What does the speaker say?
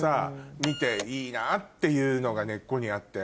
見ていいな！っていうのが根っこにあって。